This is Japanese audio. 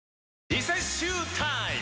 リセッシュータイム！